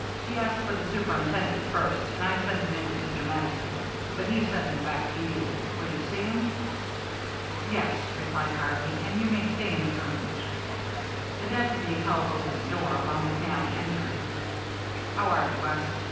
"He asked for the Superintendent first, and I sent him in to Mr. Mattison, but he sent him back to you. Will you see him?" "Yes," replied Harvey. "And you may stay in the room." The deputy held open the door, while McNally entered. "How are you, West?"